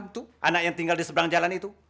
itu anak yang tinggal di sebelah jalan itu